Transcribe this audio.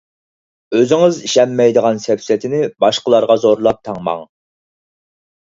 ئۆزىڭىز ئىشەنمەيدىغان سەپسەتىنى باشقىلارغا زورلاپ تاڭماڭ.